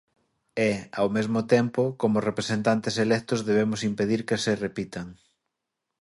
E, ao mesmo tempo, como representantes electos debemos impedir que se repitan.